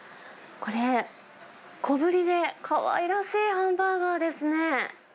これ、小ぶりでかわいらしいハンバーガーですね。